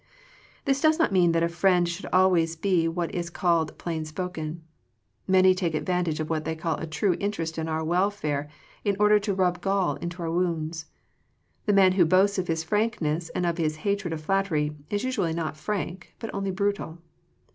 This does not mean that a friend should always be what is called plain spoken. Many take advantage of what they call a true interest in our welfare, in order to rub gall into our wounds. The man who boasts of his frankness and of his hatred of flattery, is usually not frank — ^but only brutal.